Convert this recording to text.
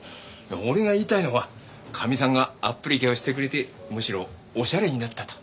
俺が言いたいのはかみさんがアップリケをしてくれてむしろおしゃれになったと。